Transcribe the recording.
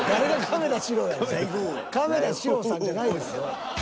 亀田史郎さんじゃないですよ。